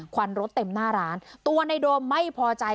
วันรถเต็มหน้าร้านตัวในโดมไม่พอใจ